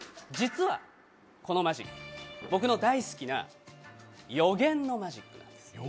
実はこのマジック僕の大好きな予言のマジックなんです。